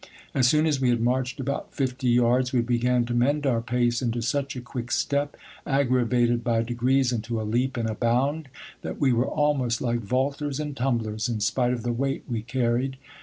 As soon as we had marched about fifty yards, we began to mend our pace into such a quick step, aggravated by degrees into a leap and a bound, that we were almost like vaulters and tumblers, in spite of the weight we car ried.